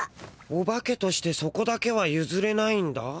「オバケとしてそこだけはゆずれないんだ」？